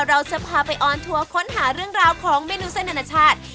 เราจะพาไปออนทัวร์ค้นหาเรื่องราวของเมนูเส้นอนาชาติ